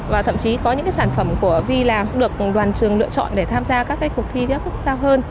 và thậm chí có những cái sản phẩm của vi làm được đoàn trường lựa chọn để tham gia các cái cuộc thi rất là cao hơn